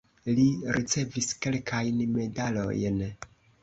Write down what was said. Li ricevis kelkajn medalojn.